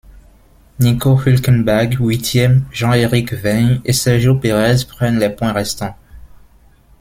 Nico Hülkenberg huitième, Jean-Éric Vergne et Sergio Pérez prennent les points restants.